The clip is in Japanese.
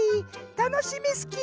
たのしみスキー。